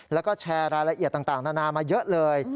แล้วก็แชร์รายละเอียดต่างนานามาเยอะเลย